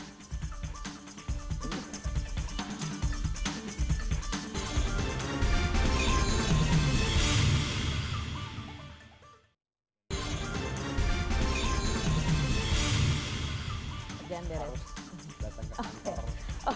diskusi masih berlanjut ternyata